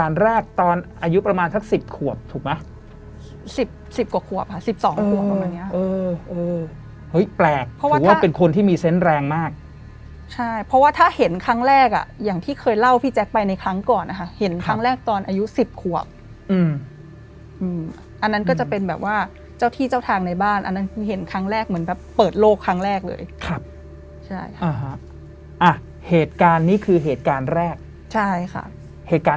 ขวบถูกไหม๑๐กว่าขวบค่ะ๑๒ขวบตรงนี้เฮ้ยแปลกเพราะว่าเป็นคนที่มีเซ็นต์แรงมากใช่เพราะว่าถ้าเห็นครั้งแรกอ่ะอย่างที่เคยเล่าพี่แจ๊คไปในครั้งก่อนเห็นครั้งแรกตอนอายุ๑๐ขวบอันนั้นก็จะเป็นแบบว่าเจ้าที่เจ้าทางในบ้านอันนั้นเห็นครั้งแรกเหมือนแบบเปิดโลกครั้งแรกเลยครับใช่เหตุการณ์นี่คือเหตุการ